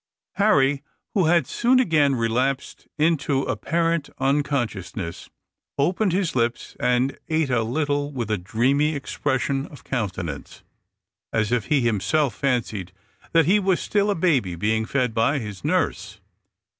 Harry, who had soon again relapsed into apparent unconsciousness, opened his lips and ate a little with a dreamy expression of countenance, as if he himself fancied that he was still a baby being fed by his nurse.